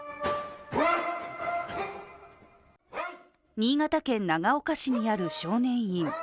新潟県長岡市にある少年院。